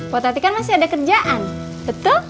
buat tati kan masih ada kerjaan betul